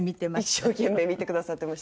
一生懸命見てくださってました。